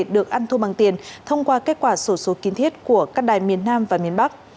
được ăn thua bằng tiền thông qua kết quả sổ số kiến thiết của các đài miền nam và miền bắc